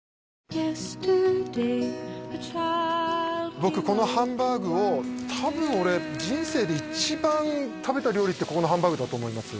僕このハンバーグを多分俺人生で一番食べた料理ってここのハンバーグだと思います